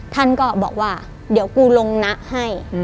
ท่านก็บอกว่าเดี๋ยวกูลงนะให้